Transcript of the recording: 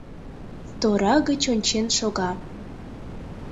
Тора гыч ончен шога.